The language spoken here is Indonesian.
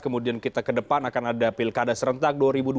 kemudian kita ke depan akan ada pilkada serentak dua ribu dua puluh